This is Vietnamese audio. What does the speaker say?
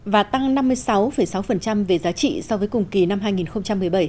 và tăng năm mươi sáu sáu về giá trị so với cùng kỳ năm hai nghìn một mươi bảy